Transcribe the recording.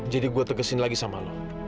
jadi gue tegasin lagi sama lu